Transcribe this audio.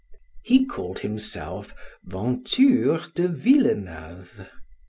He called himself Venture de Villeneuve.